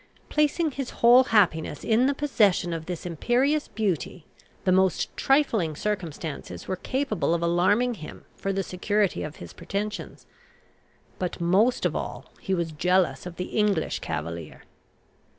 Placing his whole happiness in the possession of this imperious beauty, the most trifling circumstances were capable of alarming him for the security of his pretensions. But most of all he was jealous of the English cavalier.